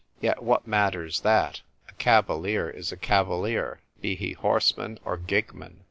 Yet what matters that ? A cavalier is a cavalier, be he horseman or gigman.